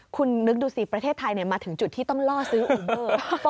คุณนึกดูสิประเทศไทยมาถึงจุดที่ต้องล่อซื้ออูเบอร์